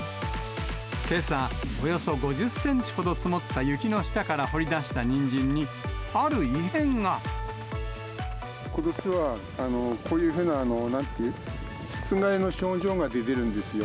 けさ、およそ５０センチほど積もった雪の下から掘り出したにんじんに、ことしは、こういうふうな、なんという、湿害の症状が出てるんですよ。